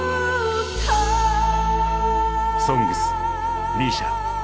「ＳＯＮＧＳ」ＭＩＳＩＡ。